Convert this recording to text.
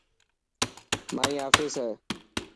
مائي آفيس هي.